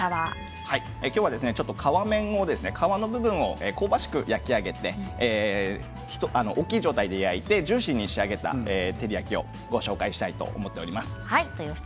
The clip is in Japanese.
今日は皮面を皮の部分を香ばしく焼き上げて大きい状態で焼いてジューシーに仕上げた照り焼きをご紹介したいと思っております。